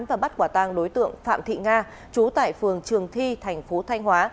và bắt quả tàng đối tượng phạm thị nga trú tại phường trường thi tp thanh hóa